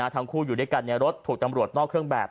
ทั้งคู่อยู่ด้วยกันในรถถูกตำรวจนอกเครื่องแบบ